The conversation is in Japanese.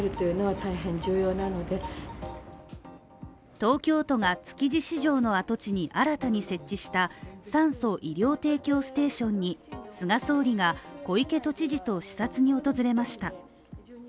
東京都が築地市場の跡地に新たに設置した酸素・医療提供ステーションに菅総理が小池都知事と視察に訪れました。